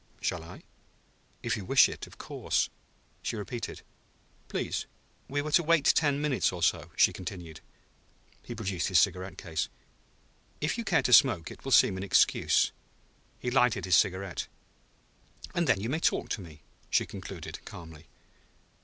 "Shall I? If you wish it, of course...." She repeated: "Please." "We were to wait ten minutes or so," she continued. He produced his cigarette case. "If you care to smoke it will seem an excuse." He lighted his cigarette. "And then, you may talk to me," she concluded calmly.